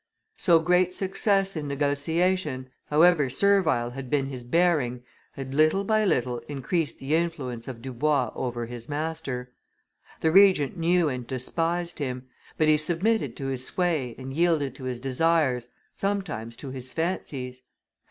So great success in negotiation, however servile had been his bearing, had little by little increased the influence of Dubois over his master. The Regent knew and despised him, but he submitted to his sway and yielded to his desires, sometimes to his fancies.